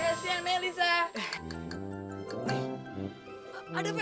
uang tahanan sampe alexander mendengar